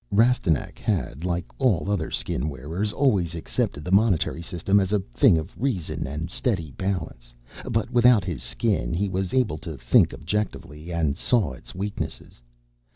Rastignac had, like all other Skin wearers, always accepted the monetary system as a thing of reason and steady balance. But, without his Skin he was able to think objectively and saw its weaknesses.